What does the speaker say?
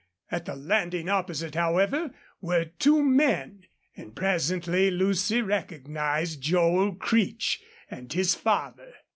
At the landing opposite, however, were two men; and presently Lucy recognized Joel Creech and his father.